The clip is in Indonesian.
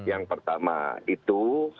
yang pertama itu